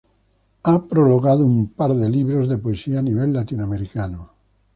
Ha prologado un par de libros de poesía a nivel latinoamericano.